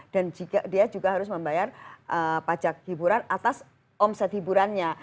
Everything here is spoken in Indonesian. dan dia juga harus membayar pajak hiburan atas omset hiburannya